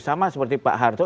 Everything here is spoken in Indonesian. sama seperti pak harto